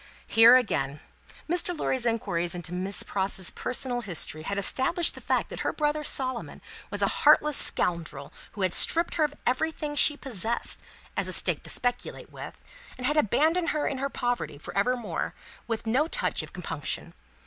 Here again: Mr. Lorry's inquiries into Miss Pross's personal history had established the fact that her brother Solomon was a heartless scoundrel who had stripped her of everything she possessed, as a stake to speculate with, and had abandoned her in her poverty for evermore, with no touch of compunction.